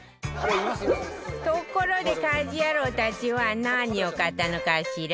ところで家事ヤロウたちは何を買ったのかしら？